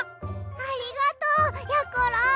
ありがとうやころ！